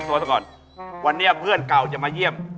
ตอนนี้เพื่อนเก่าจะมาเยี่ยม